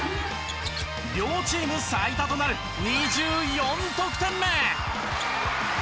両チーム最多となる２４得点目！